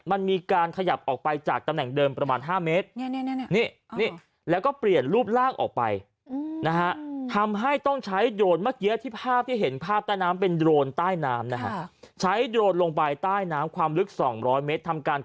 มันมีการขยับออกไปจากตำแหน่งเดิมประมาณ๕เมตร